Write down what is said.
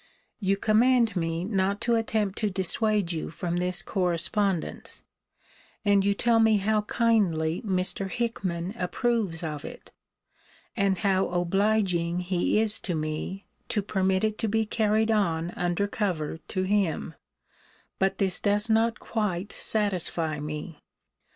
You command me not to attempt to dissuade you from this correspondence; and you tell me how kindly Mr. Hickman approves of it; and how obliging he is to me, to permit it to be carried on under cover to him but this does not quite satisfy me.